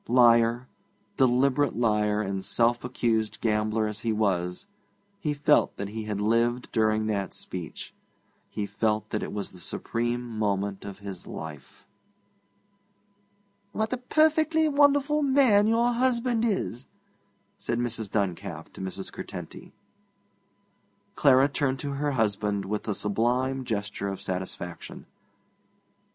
Liar, deliberate liar and self accused gambler as he was, he felt that he had lived during that speech; he felt that it was the supreme moment of his life. 'What a perfectly wonderful man your husband is!' said Mrs. Duncalf to Mrs. Curtenty. Clara turned to her husband with a sublime gesture of satisfaction.